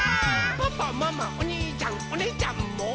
「パパママおにいちゃんおねぇちゃんも」